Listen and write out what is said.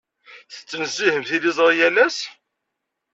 Tettnezzihem tiliẓri yal ass?